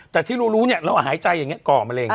แต่ที่เรารู้เนี่ยเราหายใจอย่างนี้ก่อมะเร็ง